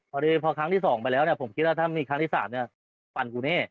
พอทั้งที่๒ไปแล้วเนี่ยผมคิดว่าถ้าทางที่๓เนี่ยฟันกูเน่